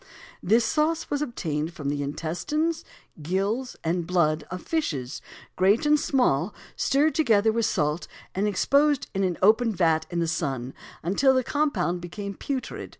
This sauce was obtained from the intestines, gills, and blood of fishes, great and small, stirred together with salt, and exposed in an open vat in the sun, until the compound became putrid.